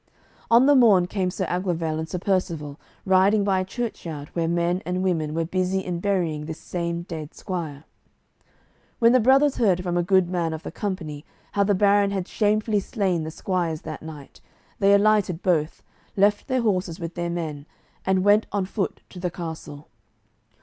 On the morn came Sir Aglovale and Sir Percivale riding by a churchyard where men and women were busy in burying this same dead squire. When the brothers heard from a good man of the company how the baron had shamefully slain the squire that night, they alighted both, left their horses with their men, and went on foot to the castle.